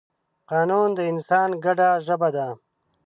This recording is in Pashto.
قانون د انسان ګډه ژبه ده.